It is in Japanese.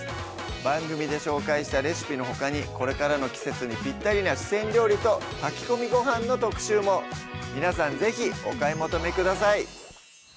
番組で紹介したレシピのほかにこれからの季節にぴったりな四川料理と炊き込みごはんの特集も皆さん是非お買い求めください